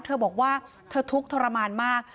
เธอบอกว่าเธอทุกข์ทรมานมาก